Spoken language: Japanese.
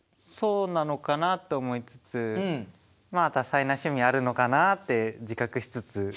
そうなのかなと思いつつまあ多彩な趣味あるのかなって自覚しつつ。